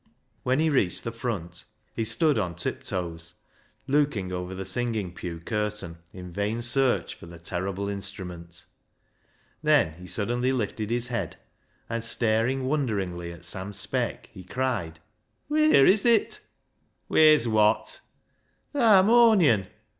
When he reached the front he stood on tip toes looking over the singing pew curtain in vain search for the terrible instrument. Then he suddenly lifted his head, and staring wonderingly at Sam Speck, he cried —" Wheer is it ?"" Wheer's wot ?"" Th' harmonion."